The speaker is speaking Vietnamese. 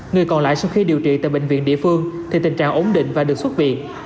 người còn lại sau khi điều trị tại bệnh viện địa phương thì tình trạng ổn định và được xuất viện